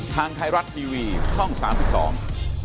ทางไทยรัฐทีวีช่องสามสิบสอง